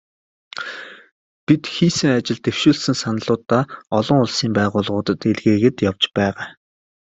Бид хийсэн ажил, дэвшүүлсэн саналуудаа олон улсын байгууллагуудад илгээгээд явж байгаа.